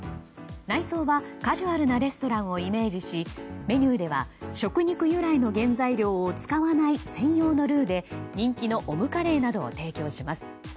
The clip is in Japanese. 内装はカジュアルなレストランをイメージし、メニューでは食肉由来の原材料を使わない専用のルーで人気のオムカレーなどを提供します。